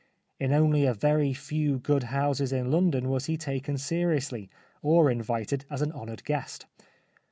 In only a very few good houses in London was he taken seriously, or invited as an honoured guest.